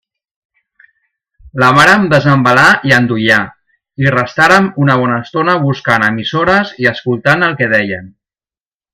La vàrem desembalar i endollar, i restàrem una bona estona buscant emissores i escoltant el que deien.